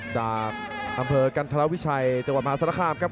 จากอำเภอกันธรวิชัยจังหวัดมหาศาลคามครับ